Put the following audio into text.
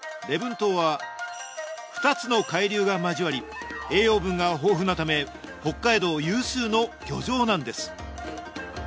島は２つの海流が交わり栄養分が豊富なため北海道有数の漁場なんです